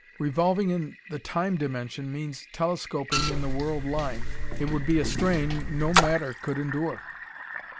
"Revolving in the time dimension means telescoping in the world line.... It would be a strain no matter could endure...."